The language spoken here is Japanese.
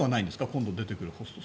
今度出てくるホスト。